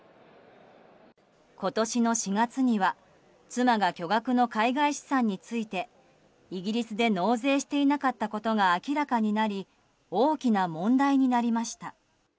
今年の４月には妻が巨額の海外資産についてイギリスで納税していなかったことが明らかになり大きな問題になりました。